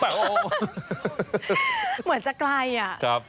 เหมือนจะไกลอะ